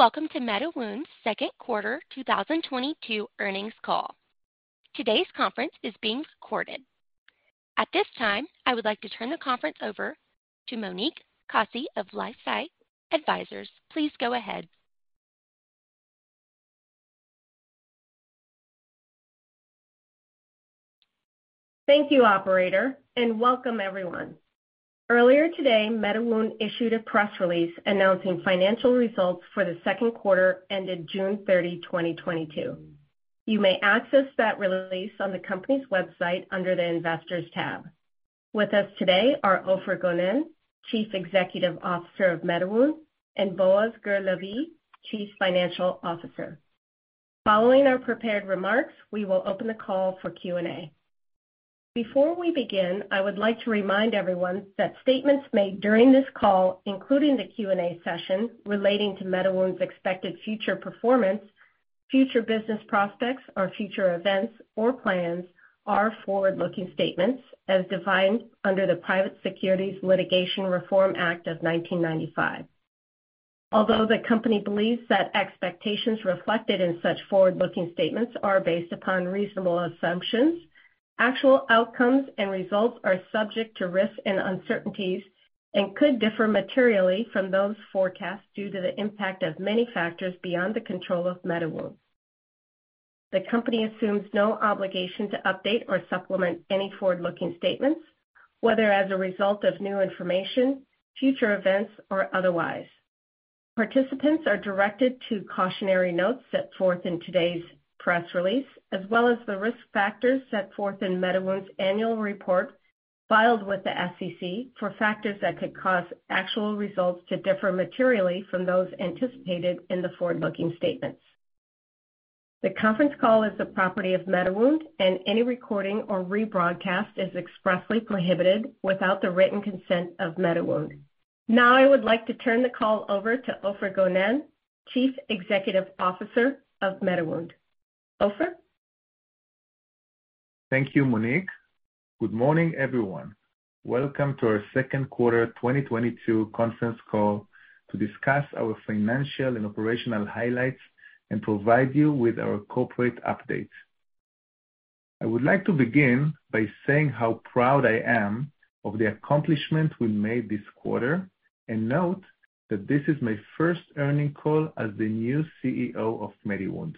Welcome to MediWound's Second Quarter 2022 Earnings Call. Today's conference is being recorded. At this time, I would like to turn the conference over to Monique Kosse of LifeSci Advisors. Please go ahead. Thank you, operator, and welcome everyone. Earlier today, MediWound issued a press release announcing financial results for the second quarter ended June 30, 2022. You may access that release on the company's website under the Investors' tab. With us today are Ofer Gonen, Chief Executive Officer of MediWound, and Boaz Gur-Lavie, Chief Financial Officer. Following our prepared remarks, we will open the call for Q&A. Before we begin, I would like to remind everyone that statements made during this call, including the Q&A session relating to MediWound's expected future performance, future business prospects, or future events or plans are forward-looking statements as defined under the Private Securities Litigation Reform Act of 1995. Although the company believes that expectations reflected in such forward-looking statements are based upon reasonable assumptions, actual outcomes and results are subject to risks and uncertainties and could differ materially from those forecasts due to the impact of many factors beyond the control of MediWound. The company assumes no obligation to update or supplement any forward-looking statements, whether as a result of new information, future events, or otherwise. Participants are directed to cautionary notes set forth in today's press release, as well as the risk factors set forth in MediWound's annual report filed with the SEC for factors that could cause actual results to differ materially from those anticipated in the forward-looking statements. The conference call is the property of MediWound, and any recording or rebroadcast is expressly prohibited without the written consent of MediWound. Now, I would like to turn the call over to Ofer Gonen, Chief Executive Officer of MediWound. Ofer? Thank you, Monique. Good morning, everyone. Welcome to our Second Quarter 2022 Conference Call to discuss our financial and operational highlights and provide you with our corporate updates. I would like to begin by saying how proud I am of the accomplishment we made this quarter, and note that this is my first earnings call as the new CEO of MediWound.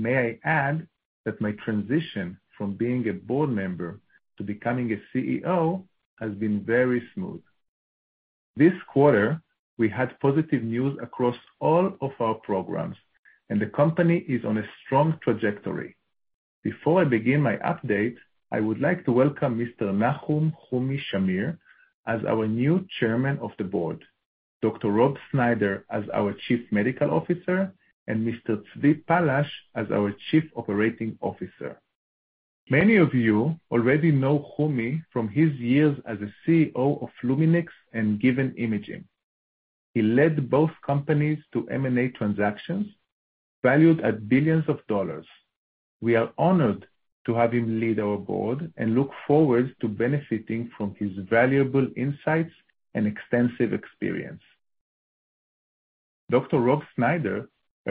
May I add that my transition from being a board member to becoming a CEO has been very smooth. This quarter, we had positive news across all of our programs, and the company is on a strong trajectory. Before I begin my update, I would like to welcome Mr. Nachum "Homi" Shamir as our new Chairman of the Board, Dr. Rob Snyder as our Chief Medical Officer, and Mr. Tzvi Palash as our Chief Operating Officer. Many of you already know Homi from his years as a CEO of Luminex and Given Imaging. He led both companies to M&A transactions valued at billions of dollars. We are honored to have him lead our board and look forward to benefiting from his valuable insights and extensive experience.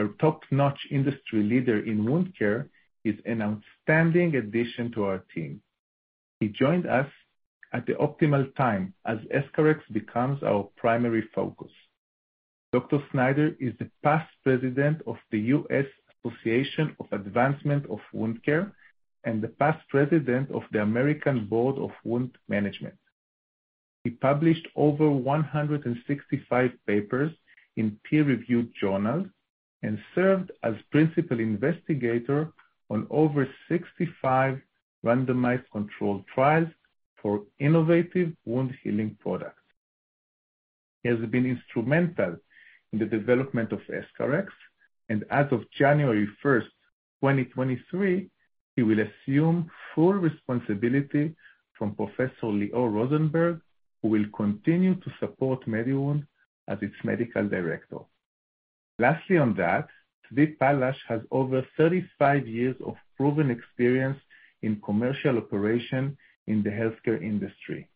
Dr. Rob Snyder, a top-notch industry leader in wound care, is an outstanding addition to our team. He joined us at the optimal time as EscharEx becomes our primary focus. Dr. Snyder is the past president of the Association for the Advancement of Wound Care and the past president of the American Board of Wound Management. He published over 165 papers in peer-reviewed journals and served as principal investigator on over 65 randomized controlled trials for innovative wound healing products. He has been instrumental in the development of EscharEx, and as of January 1st, 2023, he will assume full responsibility from Professor Lior Rosenberg, who will continue to support MediWound as its Medical Director. Lastly on that, Tzvi Palash has over 35 years of proven experience in commercial operation in the healthcare industry.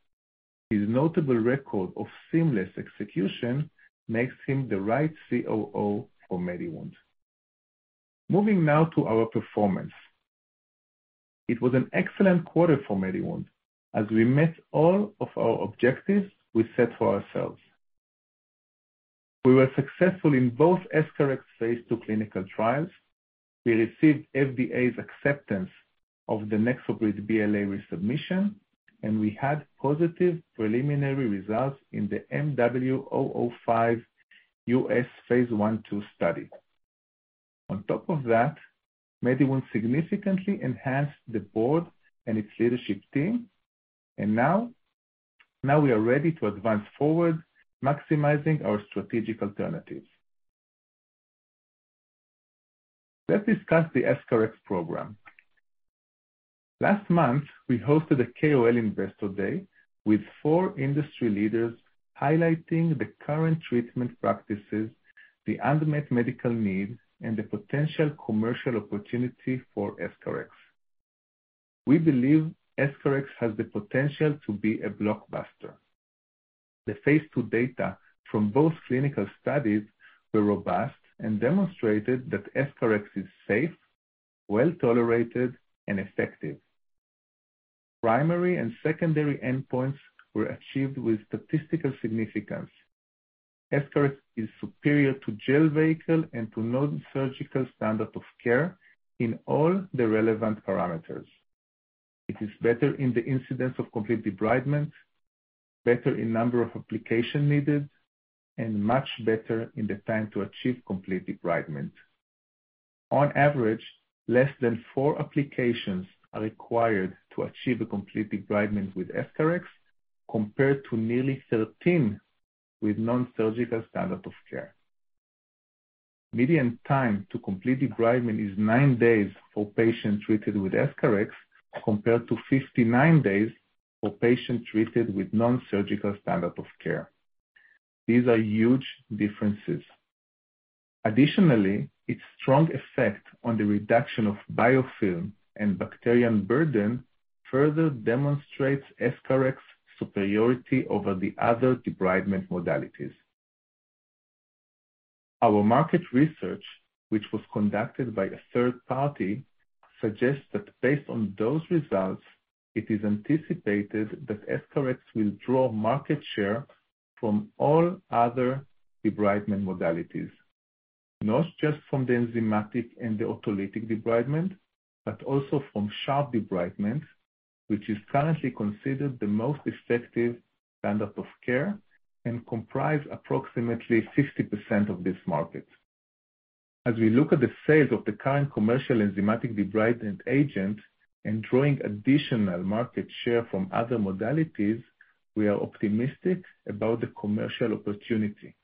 His notable record of seamless execution makes him the right COO for MediWound. Moving now to our performance. It was an excellent quarter for MediWound as we met all of our objectives we set for ourselves. We were successful in both EscharEx phase II clinical trials. We received FDA's acceptance of the NexoBrid BLA resubmission, and we had positive preliminary results in the MW005 U.S. phase I/II study. On top of that, MediWound significantly enhanced the board and its leadership team, and now we are ready to advance forward, maximizing our strategic alternatives. Let's discuss the EscharEx program. Last month, we hosted a KOL Investor Day with four industry leaders highlighting the current treatment practices, the unmet medical need, and the potential commercial opportunity for EscharEx. We believe EscharEx has the potential to be a blockbuster. The phase II data from both clinical studies were robust and demonstrated that EscharEx is safe, well-tolerated, and effective. Primary and secondary endpoints were achieved with statistical significance. EscharEx is superior to gel vehicle and to non-surgical standard of care in all the relevant parameters. It is better in the incidence of complete debridement, better in number of application needed, and much better in the time to achieve complete debridement. On average, less than four applications are required to achieve a complete debridement with EscharEx compared to nearly 13 with non-surgical standard of care. Median time to complete debridement is nine days for patients treated with EscharEx, compared to 59 days for patients treated with non-surgical standard of care. These are huge differences. Additionally, its strong effect on the reduction of biofilm and bacterial burden further demonstrates EscharEx's superiority over the other debridement modalities. Our market research, which was conducted by a third party, suggests that based on those results, it is anticipated that EscharEx will draw market share from all other debridement modalities. Not just from the enzymatic and the autolytic debridement, but also from sharp debridement, which is currently considered the most effective standard of care and comprise approximately 60% of this market. As we look at the sales of the current commercial enzymatic debridement agent and drawing additional market share from other modalities, we are optimistic about the commercial opportunity.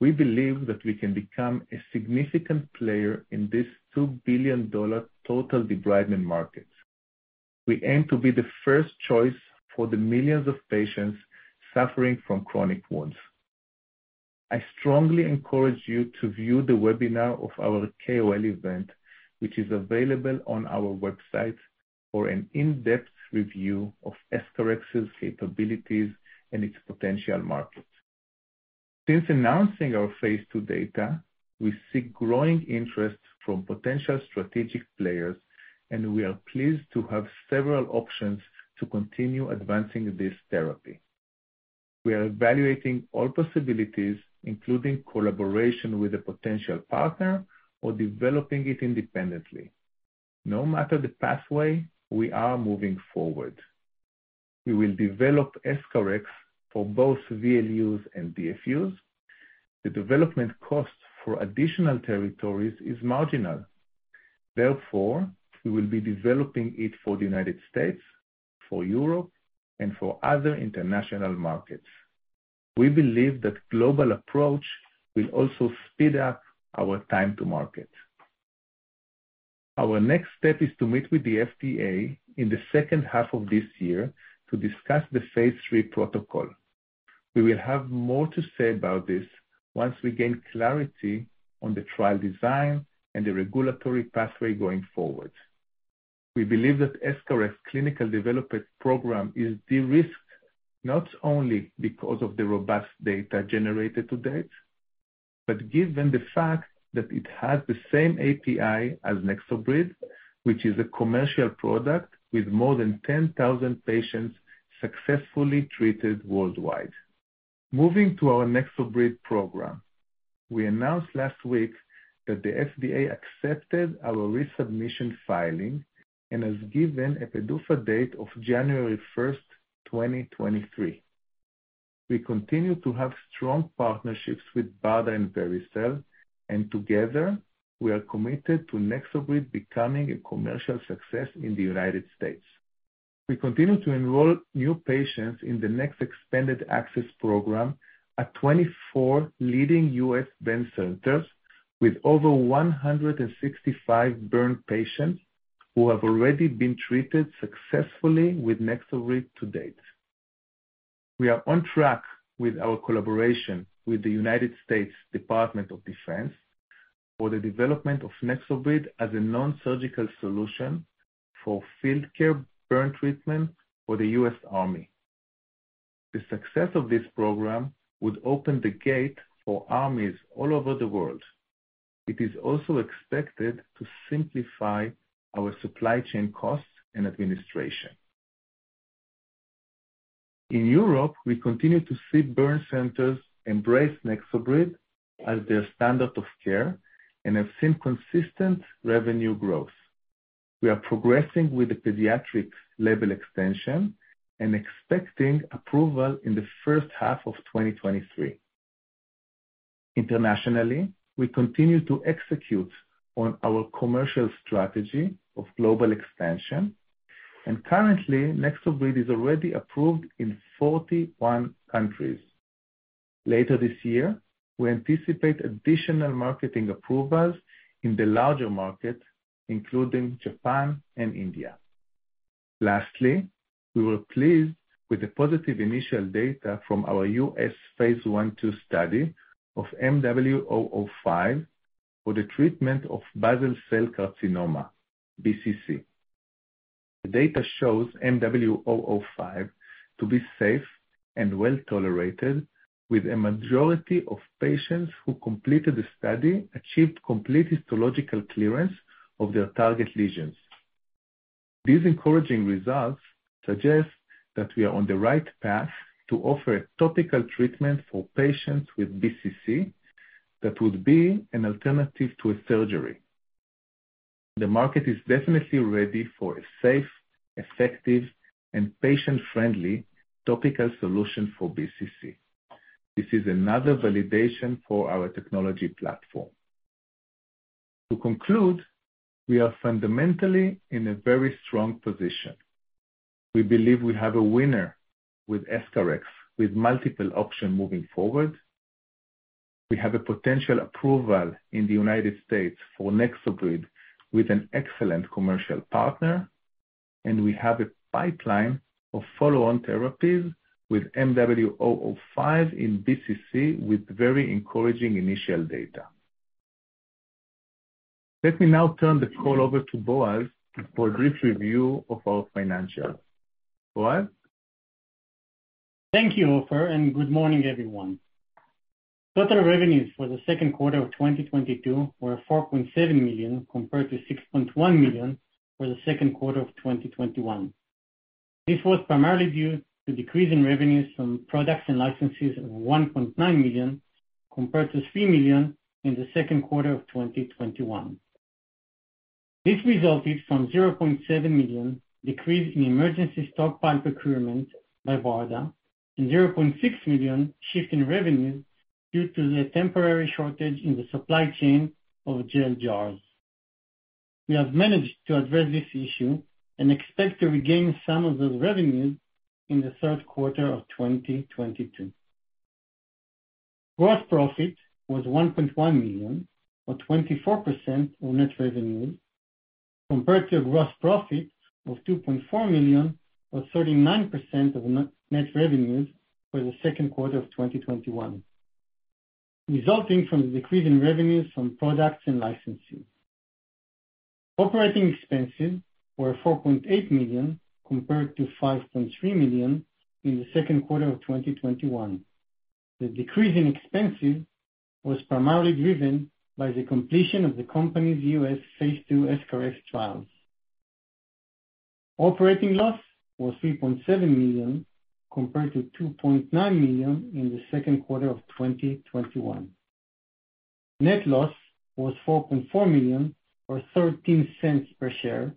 We believe that we can become a significant player in this $2 billion total debridement market. We aim to be the first choice for the millions of patients suffering from chronic wounds. I strongly encourage you to view the webinar of our KOL event, which is available on our website, for an in-depth review of EscharEx's capabilities and its potential market. Since announcing our phase II data, we seek growing interest from potential strategic players, and we are pleased to have several options to continue advancing this therapy. We are evaluating all possibilities, including collaboration with a potential partner or developing it independently. No matter the pathway, we are moving forward. We will develop EscharEx for both VLUs and DFUs. The development cost for additional territories is marginal. Therefore, we will be developing it for the United States, for Europe, and for other international markets. We believe that global approach will also speed up our time to market. Our next step is to meet with the FDA in the second half of this year to discuss the phase III protocol. We will have more to say about this once we gain clarity on the trial design and the regulatory pathway going forward. We believe that EscharEx clinical development program is de-risked, not only because of the robust data generated to date, but given the fact that it has the same API as NexoBrid, which is a commercial product with more than 10,000 patients successfully treated worldwide. Moving to our NexoBrid program. We announced last week that the FDA accepted our resubmission filing and has given a PDUFA date of January 1st, 2023. We continue to have strong partnerships with BARDA and Vericel, and together, we are committed to NexoBrid becoming a commercial success in the United States. We continue to enroll new patients in the next expanded access program at 24 leading U.S. burn centers with over 165 burn patients who have already been treated successfully with NexoBrid to date. We are on track with our collaboration with the United States Department of Defense for the development of NexoBrid as a non-surgical solution for field care burn treatment for the U.S. Army. The success of this program would open the gate for armies all over the world. It is also expected to simplify our supply chain costs and administration. In Europe, we continue to see burn centers embrace NexoBrid as their standard of care and have seen consistent revenue growth. We are progressing with the pediatrics label extension and expecting approval in the first half of 2023. Internationally, we continue to execute on our commercial strategy of global expansion, and currently, NexoBrid is already approved in 41 countries. Later this year, we anticipate additional marketing approvals in the larger markets, including Japan and India. Lastly, we were pleased with the positive initial data from our U.S. phase I/II study of MW005 for the treatment of Basal Cell Carcinoma, BCC. The data shows MW005 to be safe and well-tolerated, with a majority of patients who completed the study achieved complete histological clearance of their target lesions. These encouraging results suggest that we are on the right path to offer a topical treatment for patients with BCC that would be an alternative to a surgery. The market is definitely ready for a safe, effective, and patient-friendly topical solution for BCC. This is another validation for our technology platform. To conclude, we are fundamentally in a very strong position. We believe we have a winner with EscharEx, with multiple options moving forward. We have a potential approval in the United States for NexoBrid with an excellent commercial partner, and we have a pipeline of follow-on therapies with MW005 in BCC with very encouraging initial data. Let me now turn the call over to Boaz for a brief review of our financials. Boaz? Thank you, Ofer, and good morning, everyone. Total revenues for the second quarter of 2022 were $4.7 million compared to $6.1 million for the second quarter of 2021. This was primarily due to decrease in revenues from products and licenses of $1.9 million compared to $3 million in the second quarter of 2021. This resulted from $0.7 million decrease in emergency stockpile procurement by BARDA and $0.6 million shift in revenue due to the temporary shortage in the supply chain of gel jars. We have managed to address this issue and expect to regain some of those revenues in the third quarter of 2022. Gross profit was $1.1 million, or 24% of net revenues, compared to a gross profit of $2.4 million, or 39% of net revenues for the second quarter of 2021, resulting from the decrease in revenues from products and licensing. Operating expenses were $4.8 million compared to $5.3 million in the second quarter of 2021. The decrease in expenses was primarily driven by the completion of the company's U.S. phase II EscharEx trials. Operating loss was $3.7 million compared to $2.9 million in the second quarter of 2021. Net loss was $4.4 million, or $0.13 per share,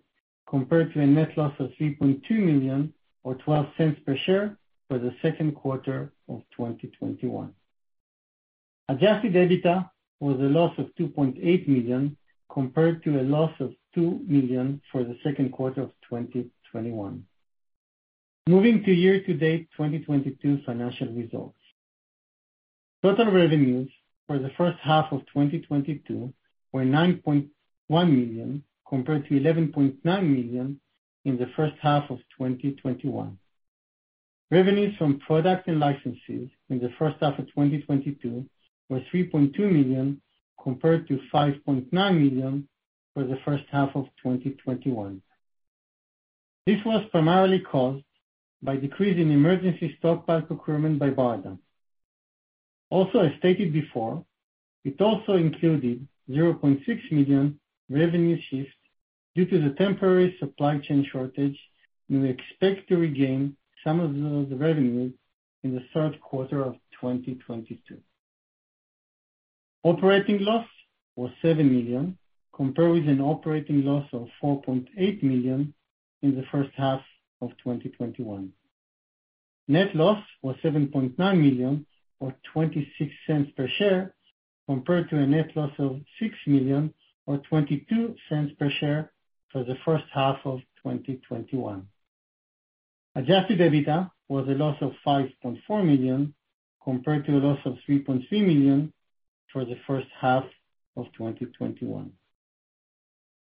compared to a net loss of $3.2 million, or $0.12 per share for the second quarter of 2021. Adjusted EBITDA was a loss of $2.8 million compared to a loss of $2 million for the second quarter of 2021. Moving to year-to-date 2022 financial results. Total revenues for the first half of 2022 were $9.1 million compared to $11.9 million in the first half of 2021. Revenues from product and licenses in the first half of 2022 were $3.2 million compared to $5.9 million for the first half of 2021. This was primarily caused by decrease in emergency stockpile procurement by BARDA. Also, as stated before, it also included $0.6 million revenue shift due to the temporary supply chain shortage, and we expect to regain some of the revenue in the third quarter of 2022. Operating loss was $7 million, compared with an operating loss of $4.8 million in the first half of 2021. Net loss was $7.9 million, or $0.26 per share, compared to a net loss of $6 million or $0.22 per share for the first half of 2021. Adjusted EBITDA was a loss of $5.4 million, compared to a loss of $3.3 million for the first half of 2021.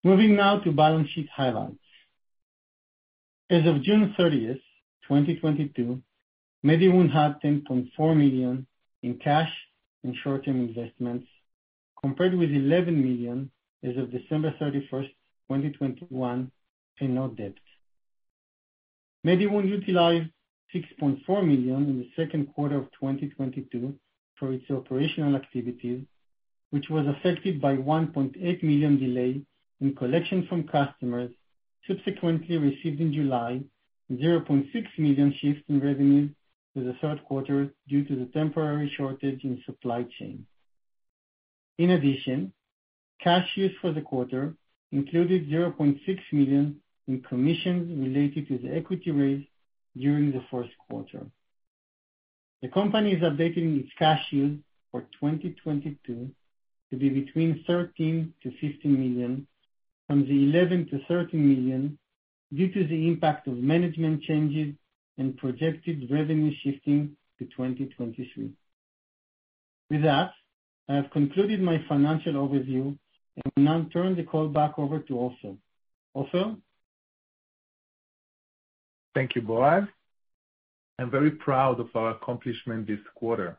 Moving now to balance sheet highlights. As of June 30th, 2022, MediWound had $10.4 million in cash and short-term investments, compared with $11 million as of December 31st, 2021, and no debt. MediWound utilized $6.4 million in the second quarter of 2022 for its operational activities, which was affected by $1.8 million delay in collection from customers subsequently received in July, $0.6 million shift in revenue to the third quarter due to the temporary shortage in supply chain. In addition, cash used for the quarter included $0.6 million in commissions related to the equity raise during the first quarter. The company is updating its cash use for 2022 to be between $13 million-$15 million from the $11 million-$13 million due to the impact of management changes and projected revenue shifting to 2023. With that, I have concluded my financial overview and will now turn the call back over to Ofer. Ofer? Thank you, Boaz. I'm very proud of our accomplishment this quarter.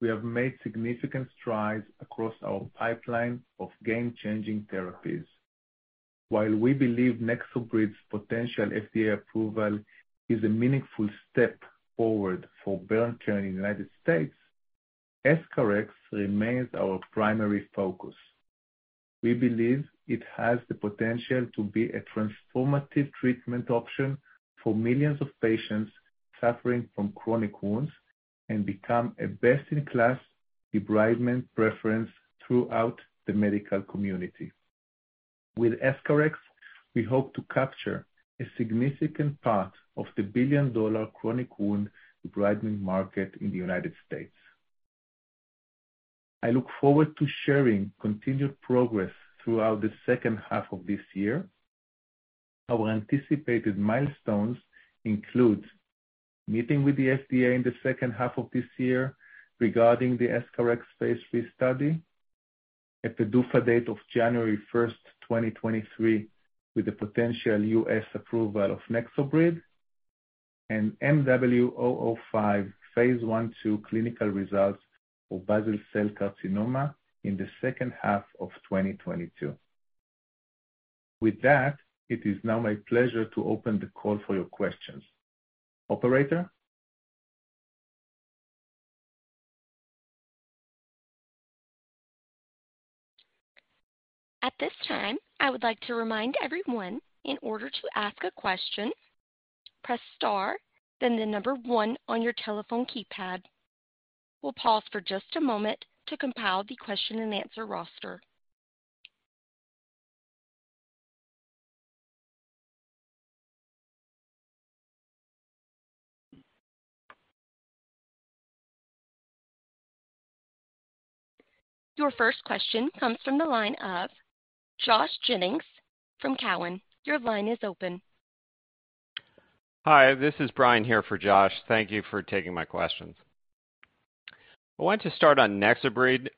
We have made significant strides across our pipeline of game-changing therapies. While we believe NexoBrid's potential FDA approval is a meaningful step forward for burn care in the United States, EscharEx remains our primary focus. We believe it has the potential to be a transformative treatment option for millions of patients suffering from chronic wounds and become a best-in-class debridement preference throughout the medical community. With EscharEx, we hope to capture a significant part of the billion-dollar chronic wound debridement market in the United States. I look forward to sharing continued progress throughout the second half of this year. Our anticipated milestones include meeting with the FDA in the second half of this year regarding the EscharEx phase III study. A PDUFA date of January 1st, 2023, with the potential U.S. approval of NexoBrid. MW005 phase I/II clinical results for Basal Cell Carcinoma in the second half of 2022. With that, it is now my pleasure to open the call for your questions. Operator? At this time, I would like to remind everyone, in order to ask a question, press star, then the number one on your telephone keypad. We'll pause for just a moment to compile the question and answer roster. Your first question comes from the line of Josh Jennings from Cowen. Your line is open. Hi, this is Brian here for Josh. Thank you for taking my questions. I want to start on NexoBrid.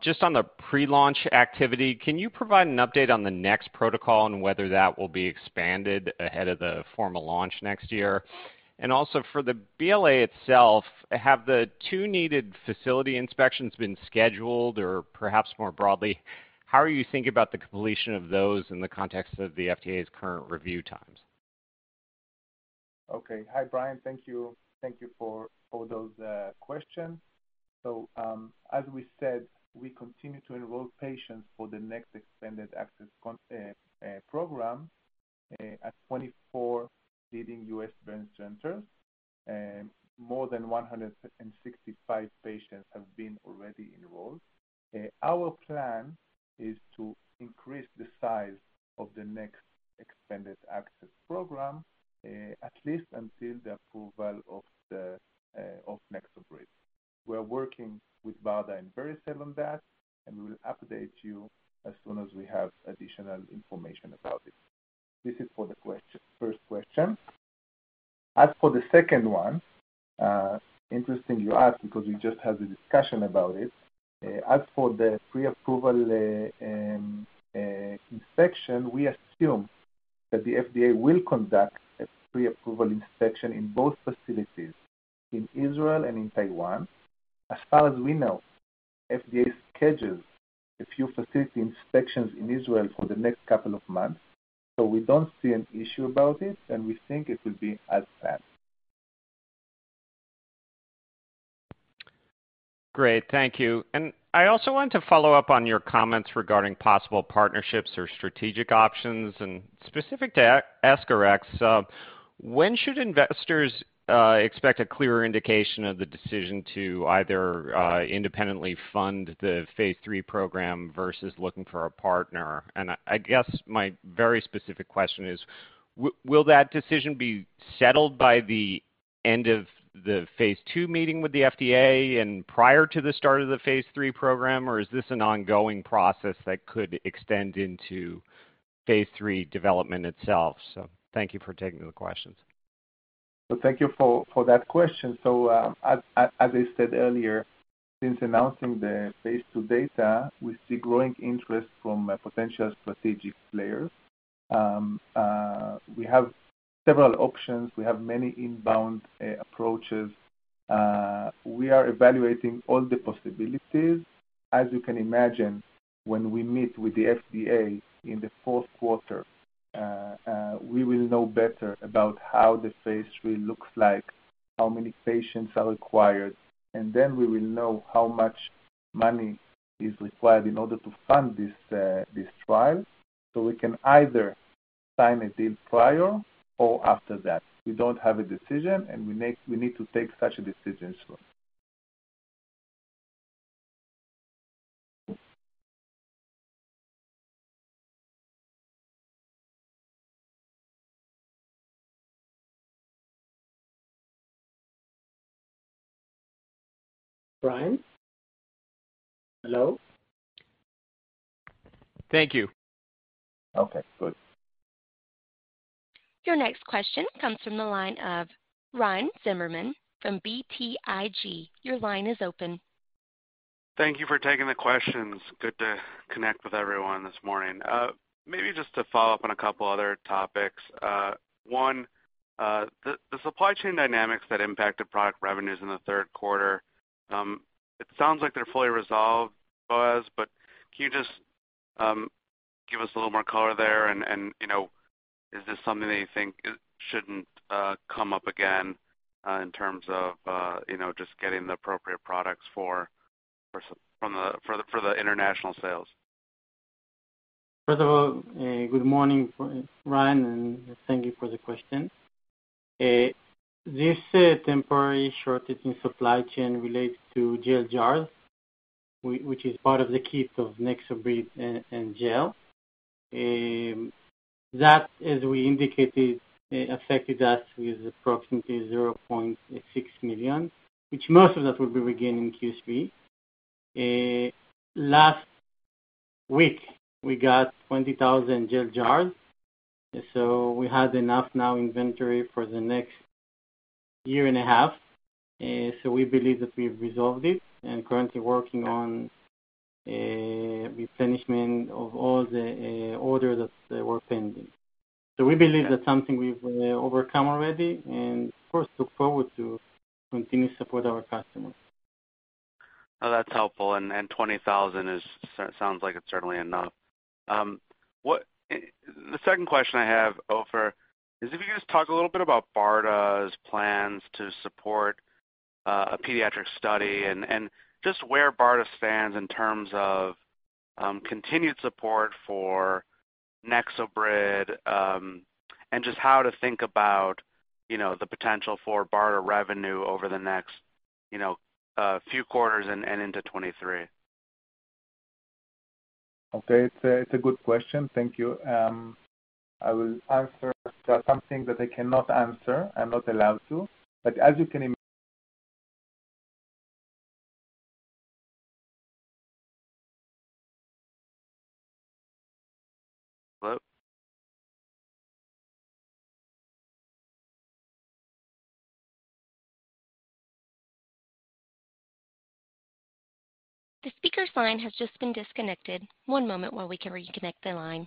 Just on the pre-launch activity, can you provide an update on the Nexo protocol and whether that will be expanded ahead of the formal launch next year? Also for the BLA itself, have the two needed facility inspections been scheduled? Or perhaps more broadly, how are you thinking about the completion of those in the context of the FDA's current review times? Okay. Hi, Brian. Thank you for those questions. As we said, we continue to enroll patients for the next expanded access program at 24 leading U.S. burn centers. More than 165 patients have been already enrolled. Our plan is to increase the size of the next expanded access program at least until the approval of NexoBrid. We are working with BARDA and Vericel on that, and we will update you as soon as we have additional information about it. This is for the first question. As for the second one, interesting you ask because we just had a discussion about it. As for the pre-approval inspection, we assume that the FDA will conduct a pre-approval inspection in both facilities, in Israel and in Taiwan. As far as we know, FDA schedules a few facility inspections in Israel for the next couple of months, so we don't see an issue about it, and we think it will be as planned. Great. Thank you. I also want to follow up on your comments regarding possible partnerships or strategic options and specific to EscharEx. When should investors expect a clearer indication of the decision to either independently fund the phase III program versus looking for a partner? I guess my very specific question is: Will that decision be settled by the end of the phase II meeting with the FDA and prior to the start of the phase III program, or is this an ongoing process that could extend into phase III development itself? Thank you for taking the questions. Thank you for that question. As I said earlier, since announcing the phase II data, we see growing interest from potential strategic players. We have several options. We have many inbound approaches. We are evaluating all the possibilities. As you can imagine, when we meet with the FDA in the fourth quarter, we will know better about how the phase III looks like, how many patients are required, and then we will know how much money is required in order to fund this trial. We can either sign a deal prior or after that. We don't have a decision, we need to take such a decision soon. Brian? Hello? Thank you. Okay, good. Your next question comes from the line of Ryan Zimmerman from BTIG. Your line is open. Thank you for taking the questions. Good to connect with everyone this morning. Maybe just to follow up on a couple other topics. One, the supply chain dynamics that impacted product revenues in the third quarter, it sounds like they're fully resolved, Boaz, but can you just give us a little more color there? You know, is this something that you think it shouldn't come up again in terms of you know, just getting the appropriate products for the international sales? First of all, good morning, Ryan, and thank you for the question. This temporary shortage in supply chain relates to gel jars, which is part of the kit of NexoBrid and gel. That, as we indicated, affected us with approximately $0.6 million, which most of that will be regained in Q3. Last week we got 20,000 gel jars, so we have enough now inventory for the next year and a half. We believe that we've resolved it and currently working on replenishment of all the orders that were pending. We believe that's something we've overcome already and of course look forward to continue to support our customers. That's helpful. Twenty thousand sounds like it's certainly enough. What the second question I have, Ofer, is if you could just talk a little bit about BARDA's plans to support a pediatric study and just where BARDA stands in terms of continued support for NexoBrid and just how to think about, you know, the potential for BARDA revenue over the next, you know, few quarters and into 2023. Okay. It's a good question. Thank you. I will answer, but something that I cannot answer. I'm not allowed to. As you can im- The speaker's line has just been disconnected. One moment while we can reconnect the line.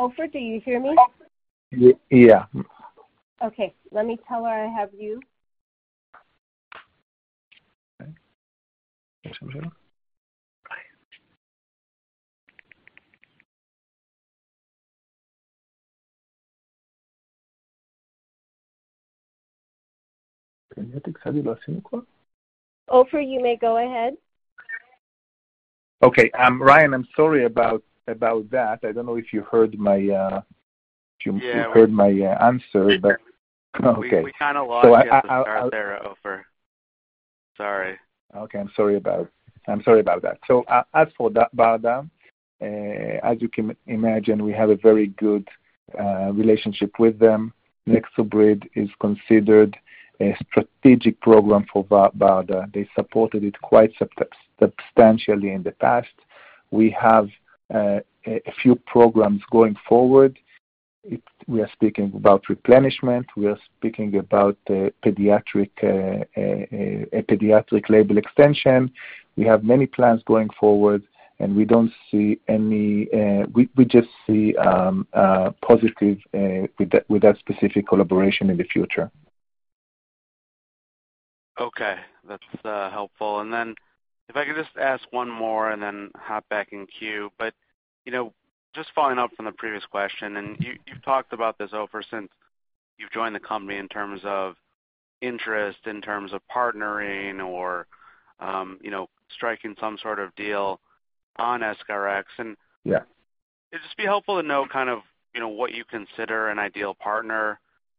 Ofer, do you hear me? Y-yeah. Okay. Let me tell you where I have you. Okay. Ofer, you may go ahead. Okay. Ryan, I'm sorry about that. I don't know if you heard my, if you Yeah. Heard my answer, but okay. We kinda lost you at the start there, Ofer. Okay, I'm sorry about that. As for that BARDA, as you can imagine, we have a very good relationship with them. NexoBrid is considered a strategic program for BARDA. They supported it quite substantially in the past. We have a few programs going forward. We are speaking about replenishment, we are speaking about pediatric, a pediatric label extension. We have many plans going forward, and we don't see any. We just see positive with that specific collaboration in the future. Okay. That's helpful. Then if I could just ask one more and then hop back in queue. You know, just following up from the previous question, you've talked about this, Ofer, since you've joined the company in terms of interest, in terms of partnering or, you know, striking some sort of deal on EscharEx and- Yeah. It'd just be helpful to know kind of, you know, what you consider an ideal partner.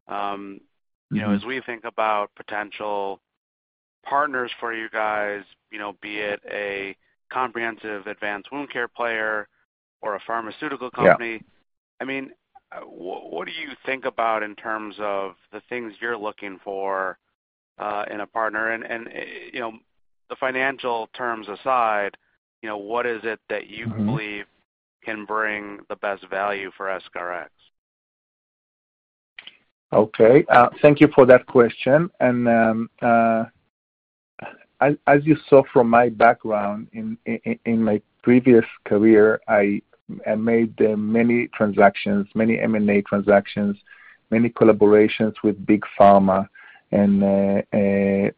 Mm-hmm. You know, as we think about potential partners for you guys, you know, be it a comprehensive advanced wound care player or a pharmaceutical company. Yeah. I mean, what do you think about in terms of the things you're looking for in a partner? You know, the financial terms aside, you know, what is it that you- Mm-hmm. believe can bring the best value for EscharEx? Okay. Thank you for that question. As you saw from my background in my previous career, I made many transactions, many M&A transactions, many collaborations with Big Pharma, and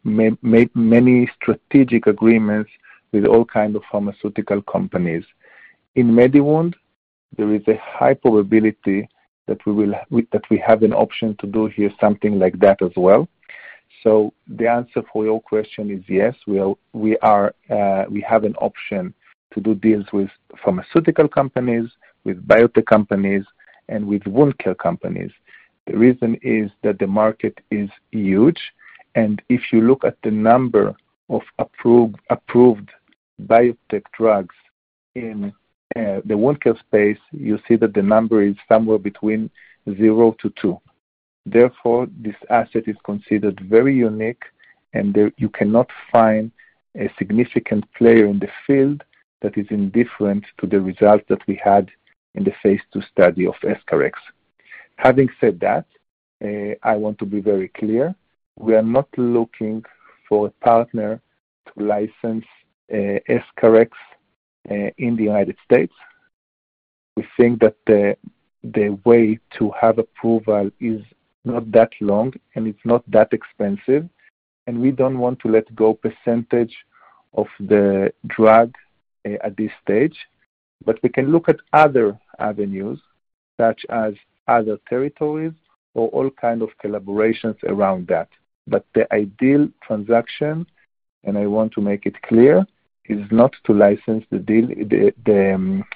made many strategic agreements with all kind of pharmaceutical companies. In MediWound, there is a high probability that we have an option to do here something like that as well. The answer for your question is yes, we have an option to do deals with pharmaceutical companies, with biotech companies, and with wound care companies. The reason is that the market is huge, and if you look at the number of approved biotech drugs in the wound care space, you see that the number is somewhere between zero to two. Therefore, this asset is considered very unique and there you cannot find a significant player in the field that is indifferent to the results that we had in the phase II study of EscharEx. Having said that, I want to be very clear, we are not looking for a partner to license EscharEx in the United States. We think that the way to have approval is not that long, and it's not that expensive, and we don't want to let go percentage of the drug at this stage. We can look at other avenues, such as other territories or all kind of collaborations around that. The ideal transaction, and I want to make it clear, is not to license the deal, the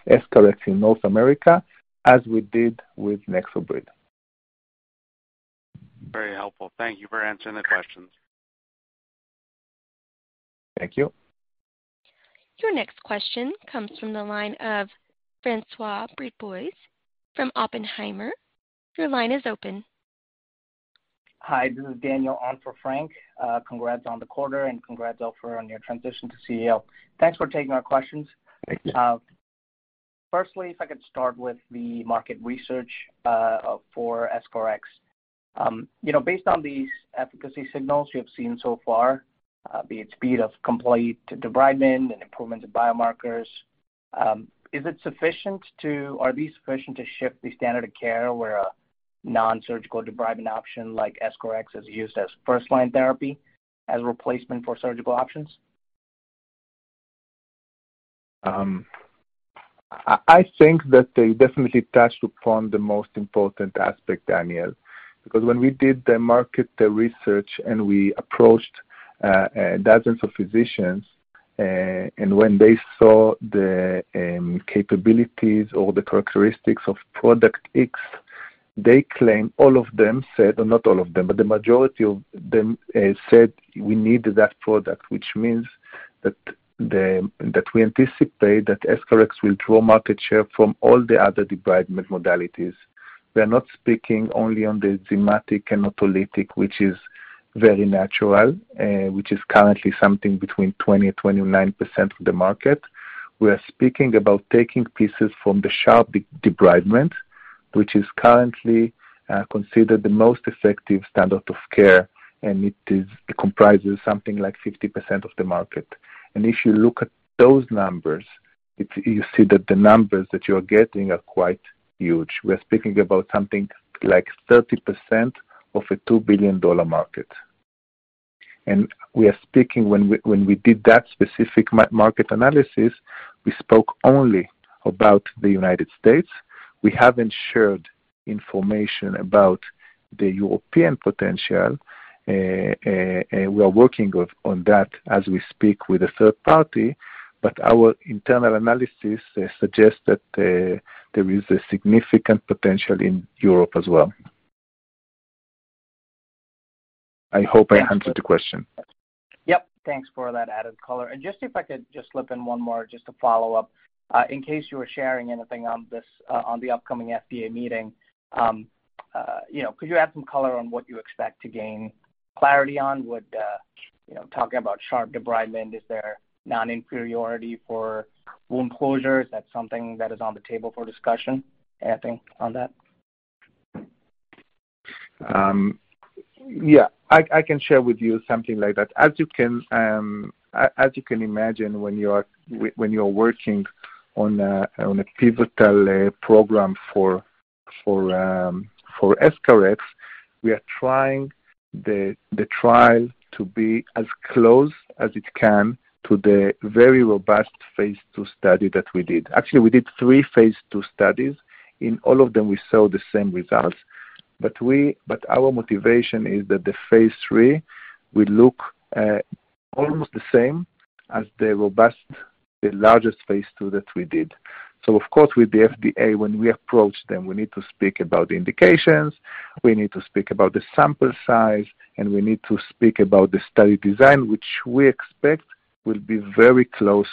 EscharEx in North America, as we did with NexoBrid. Very helpful. Thank you for answering the questions. Thank you. Your next question comes from the line of François Brisebois from Oppenheimer. Your line is open. Hi, this is Daniel on for Frank. Congrats on the quarter, and congrats, Ofer, on your transition to CEO. Thanks for taking our questions. Thank you. Firstly, if I could start with the market research for EscharEx. You know, based on these efficacy signals you have seen so far, be it speed of complete debridement and improvements in biomarkers, are these sufficient to shift the standard of care where a non-surgical debridement option like EscharEx is used as first-line therapy as a replacement for surgical options? I think that they definitely touch upon the most important aspect, Daniel, because when we did the market research, and we approached dozens of physicians, and when they saw the capabilities or the characteristics of product X, they claimed, all of them said, or not all of them, but the majority of them, said, "We need that product," which means that we anticipate that EscharEx will draw market share from all the other debridement modalities. We are not speaking only on the enzymatic and autolytic, which is very natural, which is currently something between 20%-29% of the market. We are speaking about taking pieces from the sharp debridement, which is currently considered the most effective standard of care, and it comprises something like 50% of the market. If you look at those numbers, you see that the numbers that you're getting are quite huge. We're speaking about something like 30% of a $2 billion market. When we did that specific market analysis, we spoke only about the United States. We haven't shared information about the European potential. We are working on that as we speak with a third party, but our internal analysis suggests that there is a significant potential in Europe as well. I hope I answered the question. Yep. Thanks for that added color. If I could slip in one more to follow up. In case you were sharing anything on this, on the upcoming FDA meeting, you know, could you add some color on what you expect to gain clarity on? Would you know, talking about sharp debridement, is there non-inferiority for wound closure? Is that something that is on the table for discussion, anything on that? Yeah. I can share with you something like that. As you can imagine when you're working on a pivotal program for EscharEx, we are trying the trial to be as close as it can to the very robust phase II study that we did. Actually, we did three phase II studies. In all of them, we saw the same results. Our motivation is that the phase III will look almost the same as the robust, the largest phase II that we did. Of course, with the FDA, when we approach them, we need to speak about the indications, we need to speak about the sample size, and we need to speak about the study design, which we expect will be very close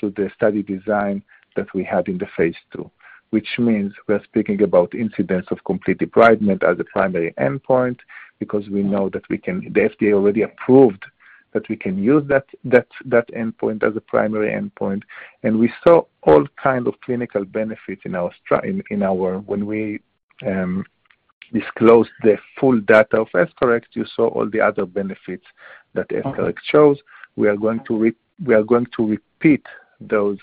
to the study design that we had in the phase II. Which means we're speaking about incidence of complete debridement as a primary endpoint because we know that we can. The FDA already approved that we can use that endpoint as a primary endpoint. We saw all kind of clinical benefits. When we disclosed the full data of EscharEx, you saw all the other benefits that EscharEx shows. We are going to repeat those,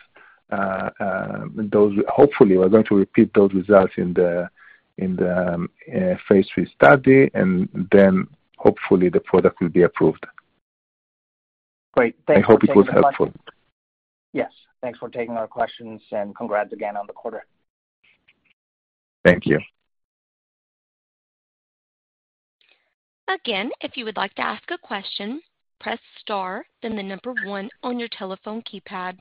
hopefully, we're going to repeat those results in the phase III study, and then hopefully the product will be approved. Great. Thanks for taking my I hope it was helpful. Yes. Thanks for taking our questions, and congrats again on the quarter. Thank you. Again, if you would like to ask a question, press star then the number one on your telephone keypad.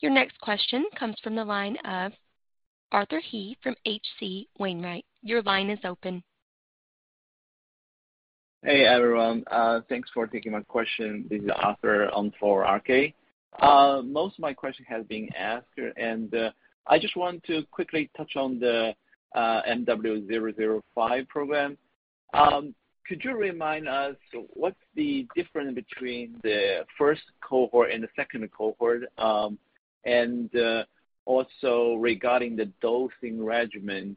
Your next question comes from the line of Arthur Yu He from H.C. Wainwright. Your line is open. Hey, everyone. Thanks for taking my question. This is Arthur on for RK. Most of my question has been asked, and I just want to quickly touch on the MW005 program. Could you remind us what's the difference between the first cohort and the second cohort? And also regarding the dosing regimen,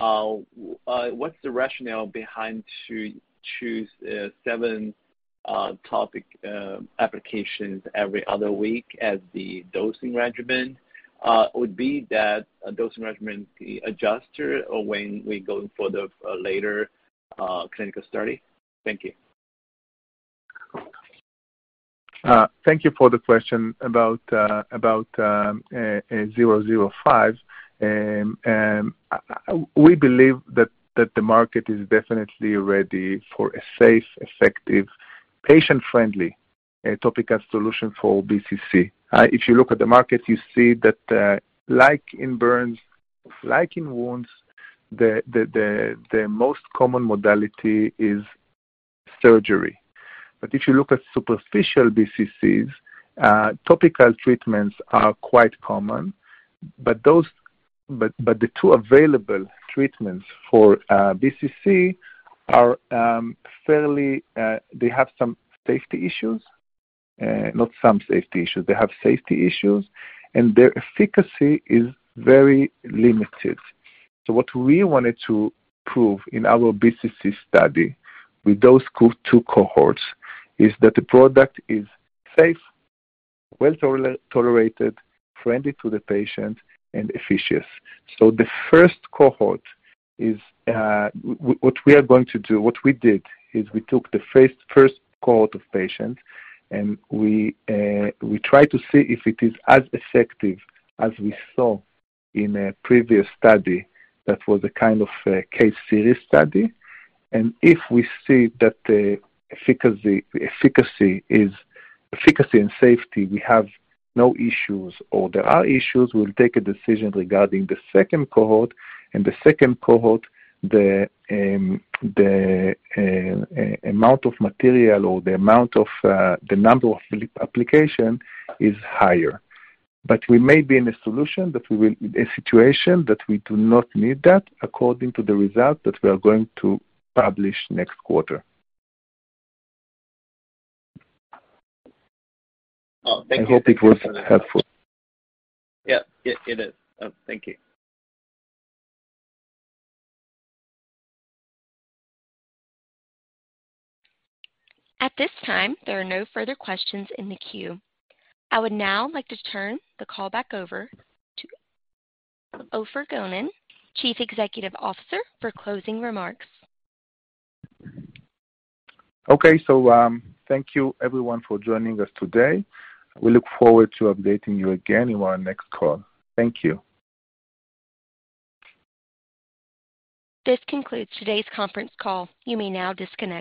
what's the rationale behind to choose seven topical applications every other week as the dosing regimen? Would that dosing regimen be adjusted when we go for the later clinical study? Thank you. Thank you for the question about MW005. We believe that the market is definitely ready for a safe, effective, patient-friendly topical solution for BCC. If you look at the market, you see that like in burns, like in wounds, the most common modality is surgery. If you look at superficial BCCs, topical treatments are quite common. The two available treatments for BCC are fairly they have some safety issues. Not some safety issues, they have safety issues, and their efficacy is very limited. What we wanted to prove in our BCC study with those two cohorts is that the product is safe, well tolerated, friendly to the patient, and efficient. What we did is we took the phase first cohort of patients, and we try to see if it is as effective as we saw in a previous study that was a kind of a case series study. If we see that the efficacy and safety, we have no issues or there are issues, we'll take a decision regarding the second cohort. In the second cohort, the amount of material or the amount of the number of application is higher. We may be in a situation that we do not need that according to the result that we are going to publish next quarter. Oh, thank you. I hope it was helpful. Yep. It is. Thank you. At this time, there are no further questions in the queue. I would now like to turn the call back over to Ofer Gonen, Chief Executive Officer, for closing remarks. Okay. Thank you everyone for joining us today. We look forward to updating you again in our next call. Thank you. This concludes today's conference call. You may now disconnect.